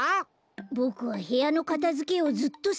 ボクはへやのかたづけをずっとさぼってたから。